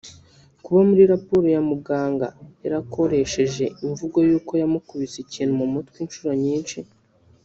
kuba muri raporo ya muganga yarakoresheje imvugo yuko yamukubise ikintu mu mutwe inshuro nyinshi’